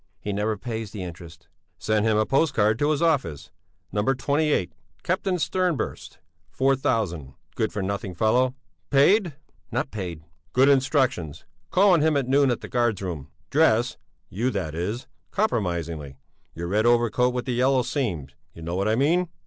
"He never pays the interest." "Send him a postcard to his office." "No. 28. Captain Stjernborst, 4000. Good for nothing fellow, that! Paid?" "Not paid." "Good. Instructions: Call on him at noon at the guards room. Dress you that is compromisingly. Your red overcoat with the yellow seams, you know what I mean."